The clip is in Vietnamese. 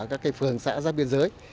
các cái phường xã giáp biên giới